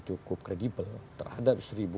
cukup kredibel terhadap seribu